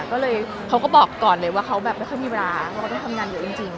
ก็เลยเขาก็บอกก่อนเลยว่าเขาแบบไม่ค่อยมีเวลาเราต้องทำงานเยอะจริง